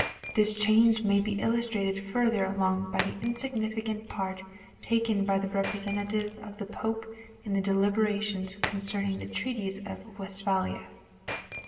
This change may be illustrated further along by the insignificant part taken by the representatives of the Pope in the deliberations concerning the Treaties of Westphalia.